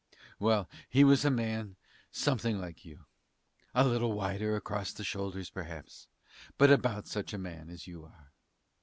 Well, he was a man something like you a little wider across the shoulders, perhaps, but about such a man as you are.